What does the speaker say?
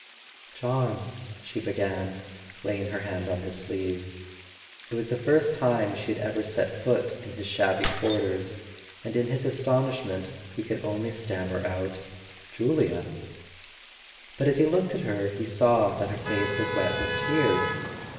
"John " she began, laying her hand on his sleeve. It was the first time she had ever set foot in his shabby quarters, and in his astonishment he could only stammer out: "Julia " A SON AT THE FRONT But as he looked at her he saw that her face was wet with tears.